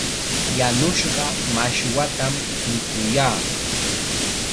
Yanushqa mashwatam mikuyaa.